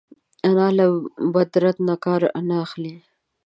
انا له بد رد نه کار نه اخلي